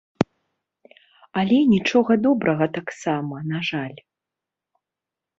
Але нічога добрага таксама, на жаль.